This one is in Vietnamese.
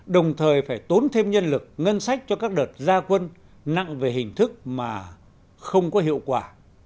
đồng thời phải tốn thêm nhân lực ngân sách cho các đợt gia quân nặng về hình thức mà không có hiệu quả